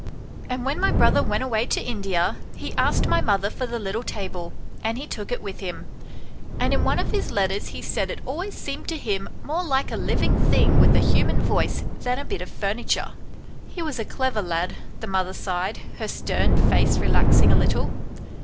And when my brother went away to India, he asked my mother for the little table, and he took it with him ; and in one of his letters he said it always seemed to him more like a living thing with a human voice than a bit of furniture." "He was a clever lad," the mother sighed, her stern face relaxing a little.